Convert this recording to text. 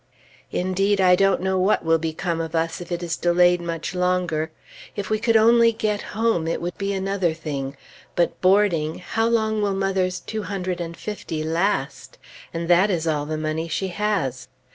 Indeed, I don't know what will become of us if it is delayed much longer. If we could only get home, it would be another thing; but boarding, how long will mother's two hundred and fifty last? And that is all the money she has.